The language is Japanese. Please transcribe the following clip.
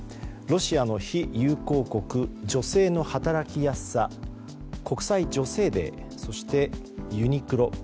ロシアの非友好国女性の働きやすさ国際女性デー、そしてユニクロ。